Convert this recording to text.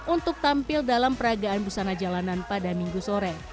untuk tampil dalam peragaan busana jalanan pada minggu sore